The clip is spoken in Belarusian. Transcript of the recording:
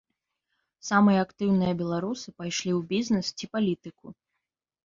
Самыя актыўныя беларусы пайшлі ў бізнес ці палітыку.